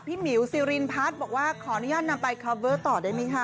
หมิวซิรินพัฒน์บอกว่าขออนุญาตนำไปคอเวอร์ต่อได้ไหมคะ